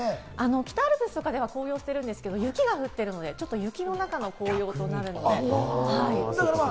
北アルプスはもう紅葉してるんですが、雪が降っているので雪の中の紅葉となりますね。